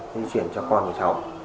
di chuyển cho con và cháu